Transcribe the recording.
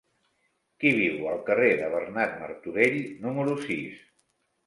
Qui viu al carrer de Bernat Martorell número sis?